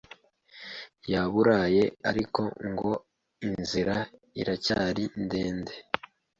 ya Buraye ariko ngo inzira iracyari ndende.